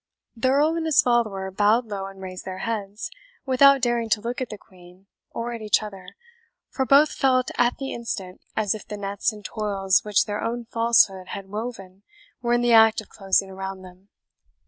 The Earl and his follower bowed low and raised their heads, without daring to look at the Queen, or at each other, for both felt at the instant as if the nets and toils which their own falsehood had woven were in the act of closing around them.